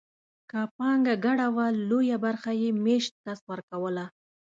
که پانګه ګډه وه لویه برخه یې مېشت کس ورکوله.